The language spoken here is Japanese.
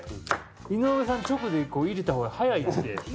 井上さん直で入れたほうが早いって。